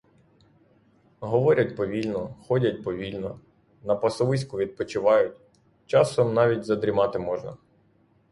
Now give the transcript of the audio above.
Говорять повільно, ходять повільно; на пасовиську відпочивають, часом навіть задрімати можна.